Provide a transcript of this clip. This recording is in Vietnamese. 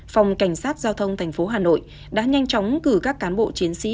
phòng cảnh sát giao thông tp hà nội đã nhanh chóng cử các cán bộ chiến sĩ